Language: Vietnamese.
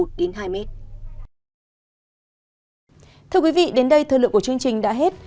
thưa quý vị đến đây thời lượng của chương trình đã hết